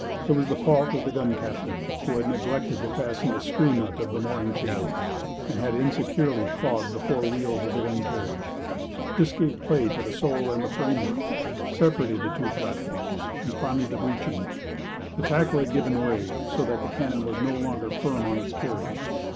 It was the fault of the gun captain, who had neglected to fasten the screw nut of the mooring chain, and had insecurely clogged the four wheels of the gun carriage; this gave play to the sole and the framework, separated the two platforms, and finally the breeching. The tackle had given way, so that the cannon was no longer firm on its carriage.